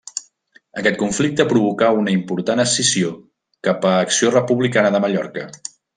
Aquest conflicte provocà una important escissió cap a Acció Republicana de Mallorca.